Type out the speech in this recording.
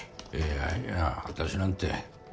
いやいや私なんて。